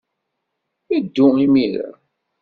Ddu imir-a.